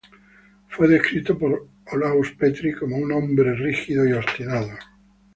Fue descrito por Olaus Petri como un hombre rígido y obstinado.